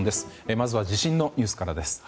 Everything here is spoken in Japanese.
まずは地震のニュースからです。